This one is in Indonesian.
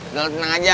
udah lo tenang aja